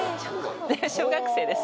でも小学生です